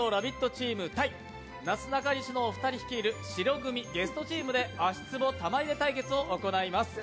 チーム対なすなかにしのお二人率いる白組ゲストチームで足つぼ玉入れ対決を行います。